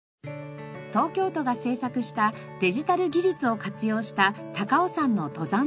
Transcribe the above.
東京都が製作したデジタル技術を活用した高尾山の登山道ガイド。